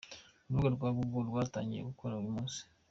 Urubuga rwa Google rwatangiye gukora uyu munsi.